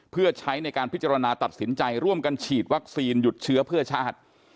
เพื่อใช้ในการพิจารณาตัดสินใจร่วมกันฉีดวัคซีนหยุดเชื้อเพื่อชาติ